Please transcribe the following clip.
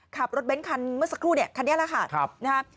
ขับรถเบ้นคันเมื่อสักครู่เนี่ยคันนี้แหละค่ะ